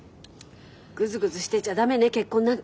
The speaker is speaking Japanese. グズグズしてちゃ駄目ね結婚なんて。